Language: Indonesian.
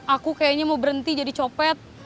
aku kayaknya mau berhenti jadi copet